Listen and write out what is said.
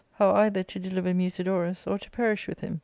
— how either to deliver Musidorus or to perish with him.